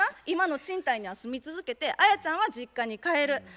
今の賃貸には住み続けてアヤちゃんは実家に帰る。